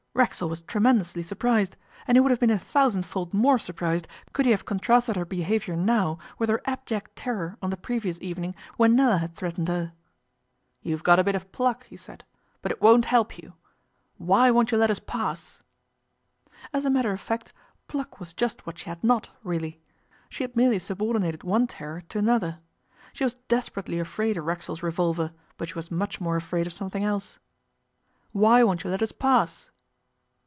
Racksole was tremendously surprised and he would have been a thousandfold more surprised could he have contrasted her behaviour now with her abject terror on the previous evening when Nella had threatened her. 'You've got a bit of pluck,' he said, 'but it won't help you. Why won't you let us pass?' As a matter of fact, pluck was just what she had not, really; she had merely subordinated one terror to another. She was desperately afraid of Racksole's revolver, but she was much more afraid of something else. 'Why won't you let us pass?